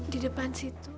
di depan situ